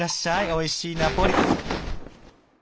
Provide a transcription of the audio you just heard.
おいしいナポリタン。